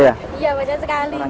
iya banyak sekali